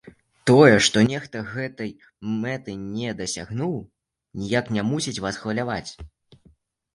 Тое, што нехта гэтай мэты не дасягнуў, ніяк не мусіць вас хваляваць.